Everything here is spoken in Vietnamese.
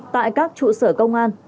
tại các trụ sở công an